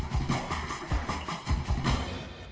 สวัสดีครับ